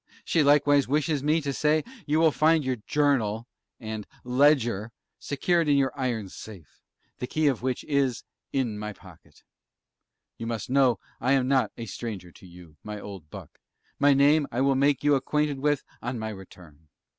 She likewise wishes me to say you will find your 'JOURNAL' and 'LEDGER' secured in your iron safe, the key of which is 'in my pocket.' You must know I am not a stranger to you, my old buck my name I will make you acquainted with on my return.